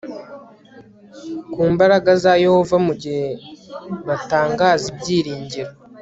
ku mbaraga za yehova mu gihe batangaza ibyiringiro